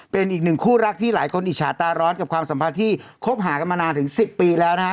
เป็นอีกหนึ่งคู่รักที่หลายคนอิจฉาตาร้อนกับความสัมพันธ์ที่คบหากันมานานถึง๑๐ปีแล้วนะฮะ